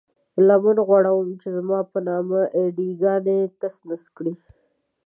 لمن غوړوم چې زما په نامه اې ډي ګانې تس نس کړئ.